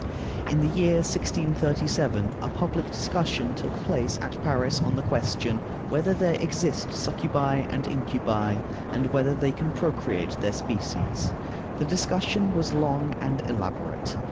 In the year 1637 a public discussion took place at Paris on the question, Whether there exist succubæ and incubi, and whether they can procreate their species? The discussion was long and elaborate.